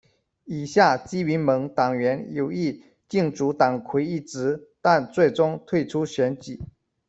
以下基民盟党员有意竞逐党魁一职，但最终退出选举。